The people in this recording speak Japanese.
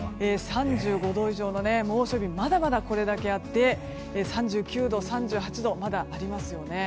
３５度以上の猛暑日まだまだあって３９度、３８度まだありますよね。